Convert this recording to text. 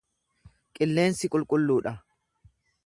Qilleensi qulqulluu dha.